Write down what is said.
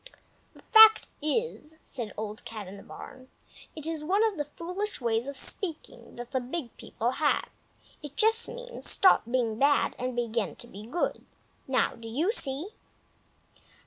"The fact is," said Old Cat in the Barn, "it is one of the foolish ways of speaking that the Big People have. It just means, stop being bad and begin to be good. Now do you see?"